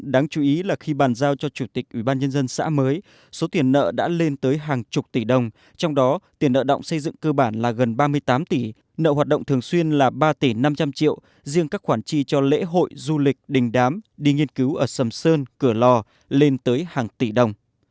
đáng chú ý là khi bàn giao cho chủ tịch ubnd xã mới số tiền nợ đã lên tới hàng chục tỷ đồng trong đó tiền nợ động xây dựng cơ bản là gần ba mươi tám tỷ nợ hoạt động thường xuyên là ba tỷ năm trăm linh triệu riêng các khoản chi cho lễ hội du lịch đình đám đi nghiên cứu ở sầm sơn cửa lò lên tới hàng tỷ đồng